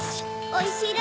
おいしい？